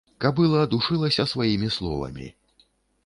Кабыла душылася сваімі словамі.